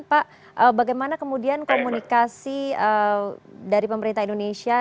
pak bagaimana kemudian komunikasi dari pemerintah indonesia